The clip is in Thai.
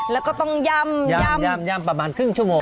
แล้วก็ต้องย่ำย่ำประมาณครึ่งชั่วโมง